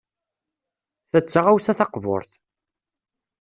Ta d taɣawsa taqburt.